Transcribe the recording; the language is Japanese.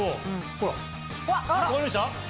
ほら分かりました？